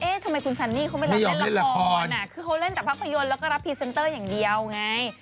ทำไมคุณซันนี่เขาไม่รับเล่นละครคือเขาเล่นแต่ภาพยนตร์แล้วก็รับพรีเซนเตอร์อย่างเดียวไง